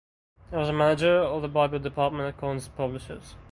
He was the manager of the bible department at Collins Publishers.